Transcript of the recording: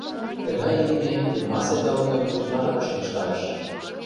Тыгай лийме тюрьмасе калыкым утларак шыдештарыш.